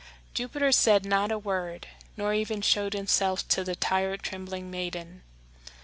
Jupiter said not a word, nor even showed himself to the tired, trembling maiden.